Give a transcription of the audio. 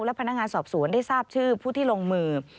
และพนักงานสอบสวนได้ทราบชื่อผู้ที่ลงมือ